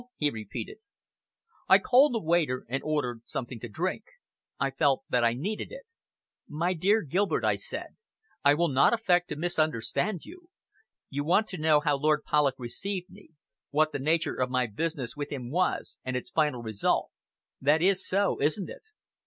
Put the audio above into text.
he repeated. I called a waiter and ordered something to drink. I felt that I needed it. "My dear Gilbert," I said, "I will not affect to misunderstand you! You want to know how Lord Polloch received me, what the nature of my business with him was, and its final result. That is so, isn't it?"